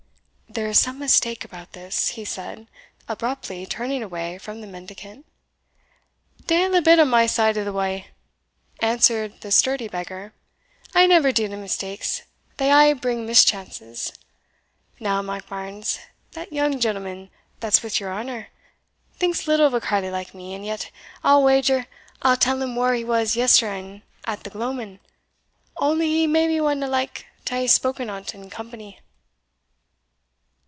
"There is some mistake about this," he said, abruptly turning away from the mendicant. "Deil a bit on my side o' the wa'," answered the sturdy beggar; "I never deal in mistakes, they aye bring mischances. Now, Monkbarns, that young gentleman, that's wi' your honour, thinks little of a carle like me; and yet, I'll wager I'll tell him whar he was yestreen at the gloamin, only he maybe wadna like to hae't spoken o' in company."